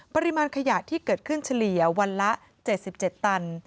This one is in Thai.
ปริมาณขยะที่เกิดขึ้นเฉลี่ยวันละ๗๗ตัน